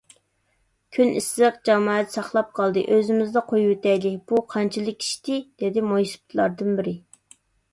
كۈن ئىسسىق، جامائەت ساقلاپ قالدى، ئۆزىمىزلا قويۇۋېتەيلى، بۇ قانچىلىك ئىشتى؟ _ دېدى مويسىپىتلاردىن بىرى.